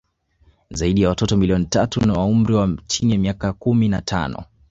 Zaidi ya watoto milioni tatu wa umri wa chini ya miaka kumi na tano